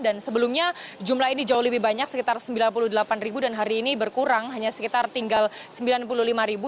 dan sebelumnya jumlah ini jauh lebih banyak sekitar sembilan puluh delapan ribu dan hari ini berkurang hanya sekitar tinggal sembilan puluh lima ribu